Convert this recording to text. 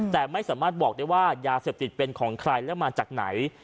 แต่ไม่สามารถบอกได้ว่ายาเสพติดเป็นของใครและมาจากไหน